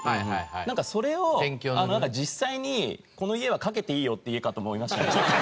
なんかそれを実際にこの家はかけていいよって家かと思いましたちょっと。